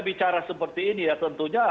bicara seperti ini ya tentunya